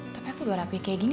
tapi aku udah rapi kayak gini